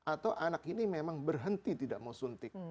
atau anak ini memang berhenti tidak mau suntik